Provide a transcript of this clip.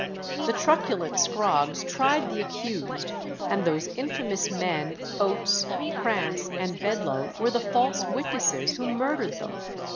The truculent Scroggs tried the accused, and those infamous men, Oates, Prance, and Bedloe, were the false witnesses who murdered them.